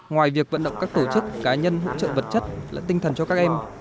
ngoài việc vận động các tổ chức cá nhân hỗ trợ vật chất lẫn tinh thần cho các em